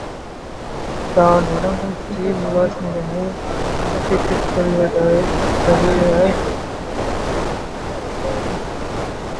தான் வணங்கும் ஸ்ரீநிவாசனிடமே விண்ணப்பித்துக் கொள்வதைத்தவிர வேறு செய்ய அறியாது வாழ்கிறார்.